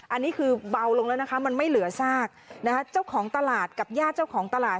อันนี้คือเบาลงแล้วนะคะมันไม่เหลือซากนะคะเจ้าของตลาดกับญาติเจ้าของตลาด